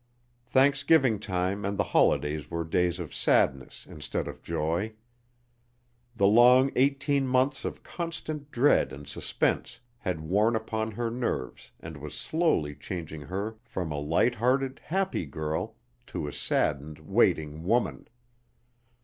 Thanksgiving time and the holidays were days of sadness instead of joy. The long eighteen months of constant dread and suspense had worn upon her nerves and was slowly changing her from a light hearted, happy girl to a saddened, waiting woman.